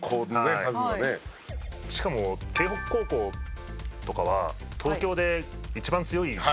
しかも京北高校とかは東京で一番強い。